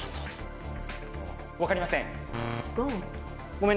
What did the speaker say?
分かりません。